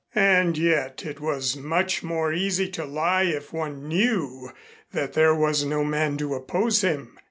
And yet it was much more easy to lie if one knew that there was no man to oppose him.